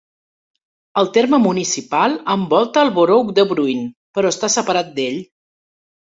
El terme municipal envolta el borough de Bruin, però està separat d'ell.